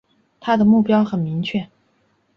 他的目标很明确